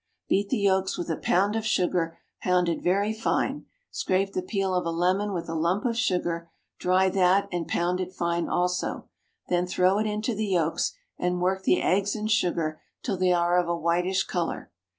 Beat the yolks with a pound of sugar pounded very fine, scrape the peel of a lemon with a lump of sugar, dry that and pound it fine also; then throw into it the yolks, and work the eggs and sugar till they are of a whitish colour.